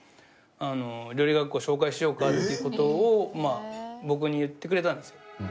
「料理学校紹介しようか？」っていう事を僕に言ってくれたんですよ。